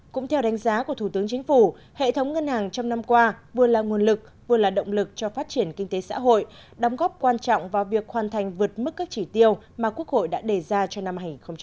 cũng theo đánh giá của thủ tướng chính phủ hệ thống ngân hàng trong năm qua vừa là nguồn lực vừa là động lực cho phát triển kinh tế xã hội đóng góp quan trọng vào việc hoàn thành vượt mức các chỉ tiêu mà quốc hội đã đề ra cho năm hai nghìn hai mươi